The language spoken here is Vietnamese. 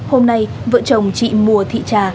hôm nay vợ chồng chị mùa thị trà